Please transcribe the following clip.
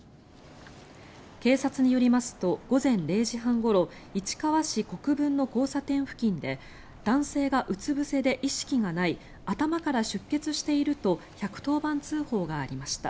警察によりますと午前０時半ごろ市川市国分の交差点付近で男性がうつぶせで意識がない頭から出血していると１１０番通報がありました。